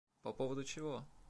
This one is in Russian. По поводу чего?